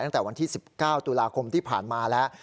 ตั้งแต่วันที่๑๙ตุลาคมที่ผ่านมาแล้ว